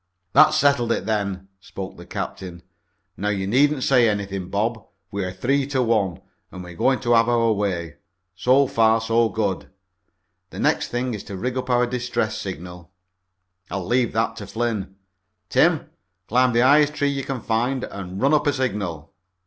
"That's settled, then," spoke the captain. "Now you needn't say anything, Bob, we're three to one, and we're going to have our way. So far so good. The next thing is to rig up our distress signal. I'll leave that to Flynn. Tim, climb the highest tree you can find and run up a signal."